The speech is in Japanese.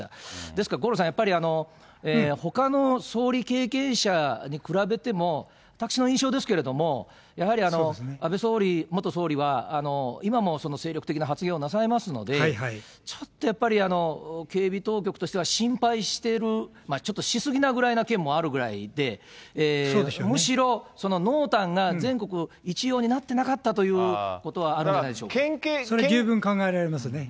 ですから五郎さん、やっぱり、ほかの総理経験者に比べても、私の印象ですけれども、やはり安倍総理、元総理は、今もその精力的な発言をなされますので、ちょっとやっぱり警備当局としては、心配してる、ちょっとしすぎなぐらいな県もあるぐらいで、むしろ濃淡が全国一様になってなかったということはあるんじゃなそれ、十分考えられますね。